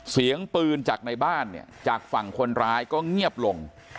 เสียงปืนจากในบ้านเนี่ยจากฝั่งคนร้ายก็เงียบลง